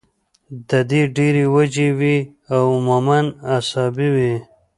د دې ډېرې وجې وي او عموماً اعصابي وي